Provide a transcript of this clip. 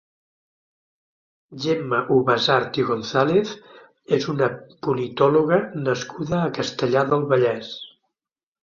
Gemma Ubasart i González és una politòloga nascuda a Castellar del Vallès.